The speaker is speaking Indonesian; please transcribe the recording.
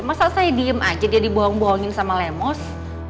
masa saya diem aja dia dibohong bohongin sama lemos